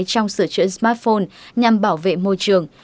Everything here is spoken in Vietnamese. trong sửa chữa smartphone nhằm bảo vệ môi trường